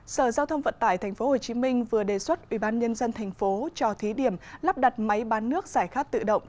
sở giao thông vận tải tp hcm vừa đề xuất ubnd tp cho thí điểm lắp đặt máy bán nước giải khát tự động